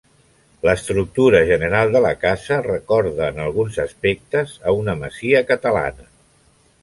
L'estructura general de la casa, recorda en alguns aspectes a una masia catalana.